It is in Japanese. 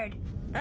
あ！